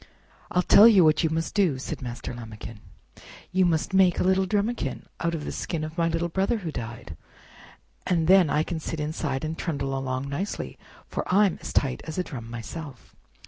"I'll tell you what you must do," said Master Lambikin, "you must make a little drumikin out of the skin of my little brother who died, and then I can sit inside and trundle along nicely, for I'm as tight as a drum myself."